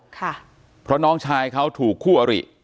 ต่อยอีกต่อยอีกต่อยอีกต่อยอีก